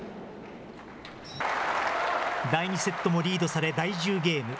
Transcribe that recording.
第２セットもリードされ第１０ゲーム。